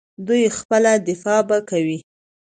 دوی خپله دفاع به کوي.